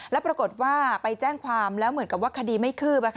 แล้วปรากฏว่าไปแจ้งความแล้วเหมือนกับว่าคดีไม่คืบ